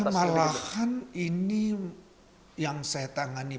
malahan ini yang saya tangani